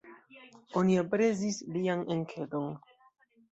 Oni aprezis lian enketon.